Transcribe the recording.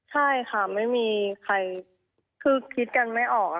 ใช่ค่ะไม่มีใครคือคิดกันไม่ออก